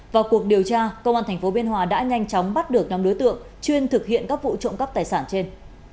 vào cuộc điều tra công an thành phố biên hòa đã nhanh chóng bắt được năm đối tượng chuyên thực hiện các vụ trộm cắp tài sản trên